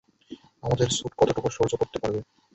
আমাদের স্যুট কতটুকু সহ্য করতে পারবে?